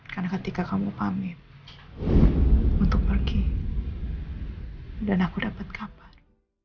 karena ketika kamu pamit untuk pergi dan aku dapet kapal